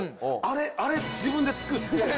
あれ自分で作って。